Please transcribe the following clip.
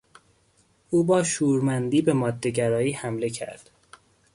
او با شورمندی به ماده گرایی حمله کرد.